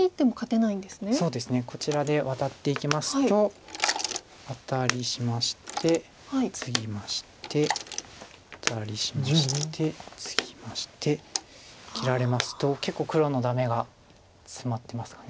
こちらでワタっていきますとアタリしましてツギましてアタリしましてツギまして切られますと結構黒のダメがツマってますか。